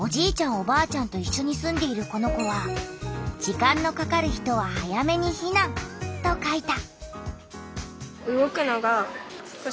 おばあちゃんといっしょに住んでいるこの子は「時間のかかる人は早めにひなん」と書いた。